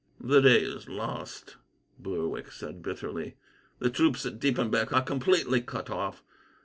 "The day is lost," Berwick said bitterly. "The troops at Diepenbeck are completely cut off.